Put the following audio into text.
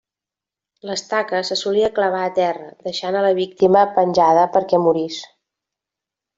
L'estaca se solia clavar a terra deixant a la víctima penjada perquè morís.